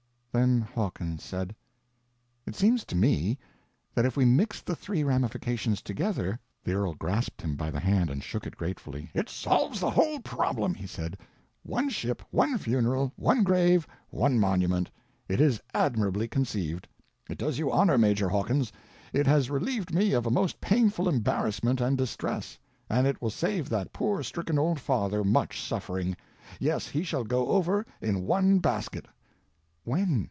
Then Hawkins said: "It seems to me that if we mixed the three ramifications together—" The earl grasped him by the hand and shook it gratefully. "It solves the whole problem," he said. "One ship, one funeral, one grave, one monument—it is admirably conceived. It does you honor, Major Hawkins, it has relieved me of a most painful embarrassment and distress, and it will save that poor stricken old father much suffering. Yes, he shall go over in one basket." "When?"